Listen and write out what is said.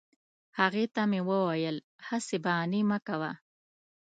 هغې ته مې وویل هسي بهانې مه کوه